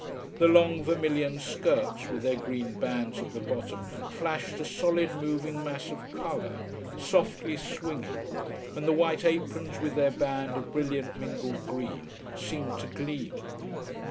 The long vermilion skirts with their green bands at the bottom flashed a solid moving mass of colour, softly swinging, and the white aprons with their band of brilliant mingled green seemed to gleam.